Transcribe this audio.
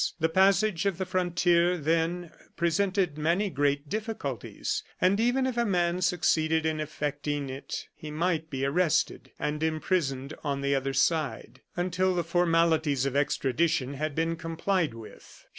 The passage of the frontier, then, presented many great difficulties, and even if a man succeeded in effecting it, he might be arrested and imprisoned on the other side, until the formalities of extradition had been complied with.